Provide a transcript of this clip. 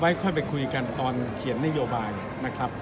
ค่อยไปคุยกันตอนเขียนนโยบายนะครับ